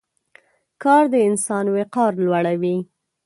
کار د انسان وقار لوړوي.